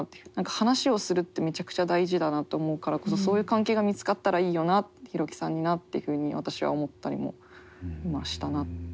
話をするってめちゃくちゃ大事だなと思うからこそそういう関係が見つかったらいいよなってヒロキさんになっていうふうに私は思ったりも今したな。